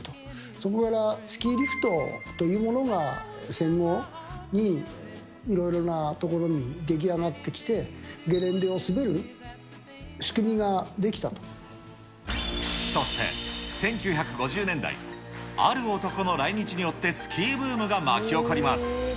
そこからスキーリフトというものが、戦後にいろいろな所に出来上がってきて、ゲレンデを滑る仕組みがそして、１９５０年代、ある男の来日によってスキーブームが巻き起こります。